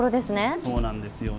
そうなんですよね。